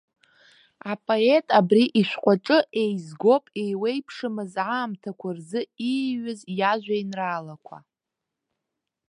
Апоет абри ишәҟәаҿы еизгоуп еиуеиԥшымыз аамҭақәа рзы ииҩыз иажәеинраалақәа.